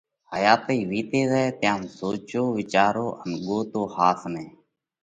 حياتئِي وِيتئِي زائه، تيام سوجو وِيچارو ان ڳوتو ۿاس نئہ!